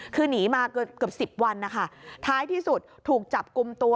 คือหนีมาเกือบสิบวันนะคะท้ายที่สุดถูกจับกลุ่มตัว